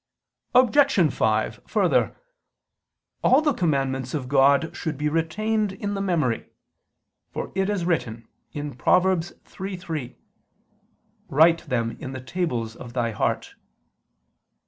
Obj. 5: Further, all the commandments of God should be retained in the memory: for it is written (Prov. 3:3): "Write them in the tables of thy heart."